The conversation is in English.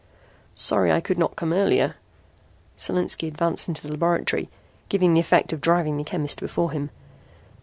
"Sorry I could not come earlier." Solinski advanced into the laboratory, giving the effect of driving the chemist before him.